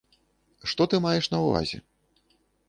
Што ты маеш на ўвазе?